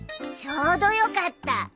ちょうどよかった！